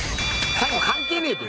最後関係ねえべ。